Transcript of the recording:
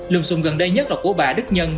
lường xung gần đây nhất là của bà đức nhân